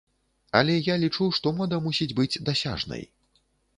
Але я лічу, што мода мусіць быць дасяжнай.